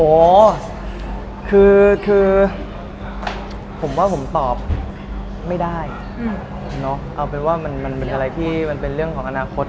โอ้โหคือผมว่าผมตอบไม่ได้เอาเป็นว่ามันเป็นอะไรที่มันเป็นเรื่องของอนาคต